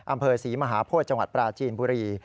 อำเภอศรีมหาโพธิจังหวัดปราจีนบุรี